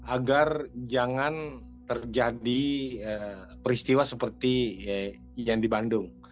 agar jangan terjadi peristiwa seperti yang di bandung